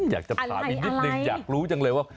อยากจะถามอีกนิดนึงอยากรู้จังเลยว่า